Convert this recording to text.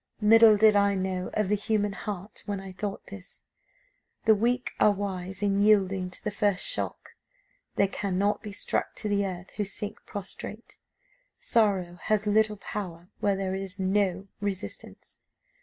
Little did I know of the human heart when I thought this! The weak are wise in yielding to the first shock. They cannot be struck to the earth who sink prostrate; sorrow has little power where there is no resistance.